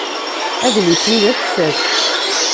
Adlis-nni d afessas.